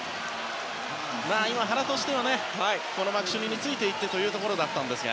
今、原としてはマクシュニについていってというところです。